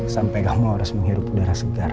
sampai kamu harus menghirup udara segar